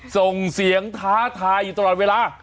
ส่งเสียงท้าทายอยู่ตลอดเวลา